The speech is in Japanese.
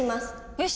よし！